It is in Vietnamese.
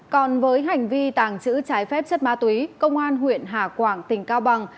còn với hành vi tàng trữ trái phép chất ma túy công an huyện hà quảng tỉnh cao bằng